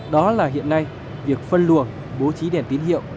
đó là hiện nay việc phân luồng bố trí đèn tín hiệu